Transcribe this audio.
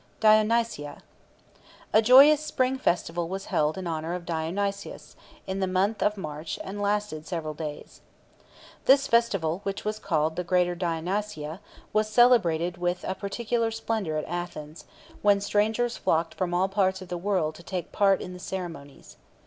DIONYSIA. A joyous spring festival was held in honour of Dionysus, in the month of March, and lasted several days. This festival, which was called the Greater Dionysia, was celebrated with particular splendour at Athens, when strangers flocked from all parts of the world to take part in the ceremonies.